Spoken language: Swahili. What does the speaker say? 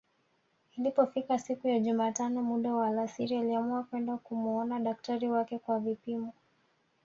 Ilipofika siku ya jumatano muda wa alasiri aliamua kwenda kumuona daktari wake kwa vipimo